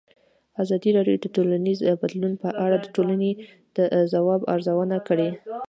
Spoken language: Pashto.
ازادي راډیو د ټولنیز بدلون په اړه د ټولنې د ځواب ارزونه کړې.